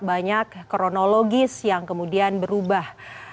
banyak kronologis yang kemudian berubah